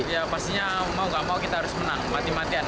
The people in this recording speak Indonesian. ya pastinya mau gak mau kita harus menang mati matian